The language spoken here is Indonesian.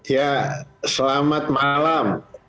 ya selamat malam